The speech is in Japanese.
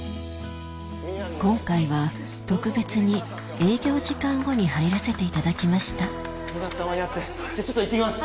今回は特別に営業時間後に入らせていただきましたよかった間に合ってじゃあちょっといってきます。